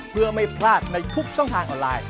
เพื่อไม่พลาดในทุกช่องทางออนไลน์